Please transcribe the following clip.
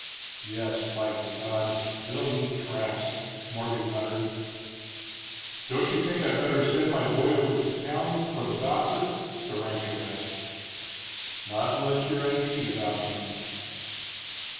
"Yes, by God! they'll leave tracks!" Morgan muttered. "Don't you think I'd better send my boy over to town for the doctor?" the rancher asked. "Not unless you're uneasy about me."